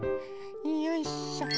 よいしょ。